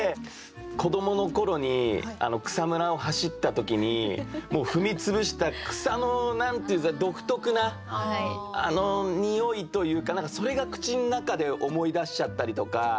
子どもの頃に草むらを走った時に踏み潰した草の何て言うんですか独特なあのにおいというか何かそれが口の中で思い出しちゃったりとか。